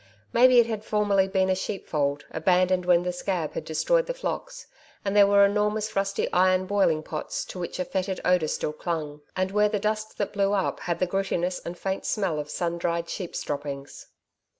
Maybe it had formerly been a sheepfold, abandoned when the scab had destroyed the flocks; and there were enormous rusty iron boiling pots to which a fetid odour still clung, and where the dust that blew up, had the grittiness and faint smell of sun dried sheeps' droppings.